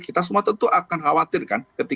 kita semua tentu akan khawatir kan